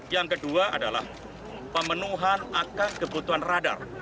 yang kedua adalah pemenuhan akas kebutuhan radar